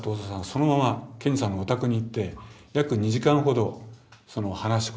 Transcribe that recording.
そのまま賢治さんのお宅に行って約２時間ほど話し込んだと。